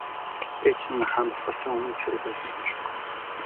Би чинь хаан болохоосоо өмнө цэрэг байсан хүн шүү.